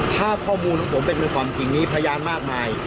ถ้าข้อมูลของผมเป็นในความจริงนี้พยานมากมาย